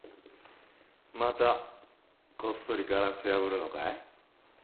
またこっそりガラス破るのかい？